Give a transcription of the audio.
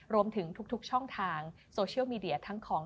รวมถึงทุกช่องทางโซเชียลมีเดียทั้งของ